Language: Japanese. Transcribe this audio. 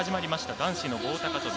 男子の棒高跳び。